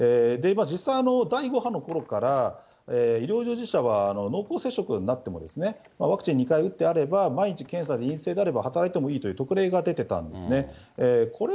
今、実際の第５波のころから医療従事者は濃厚接触になっても、ワクチン２回打ってあれば、毎日検査で陰性であれば、働いてもいいという特例が出てたんですね。